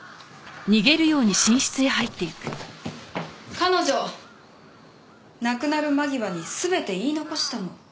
彼女亡くなる間際に全て言い残したの。